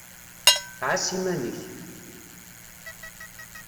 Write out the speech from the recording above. Ɛass iman-ik.